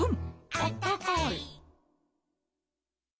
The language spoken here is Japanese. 「あったかい！」